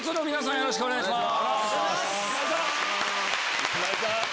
よろしくお願いします。